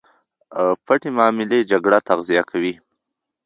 پټې معاملې جګړه تغذیه کوي.